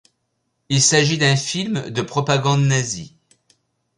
Il s'agit d'un film de propagande nazie.